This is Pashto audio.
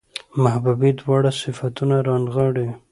محبوبې دواړه صفتونه رانغاړي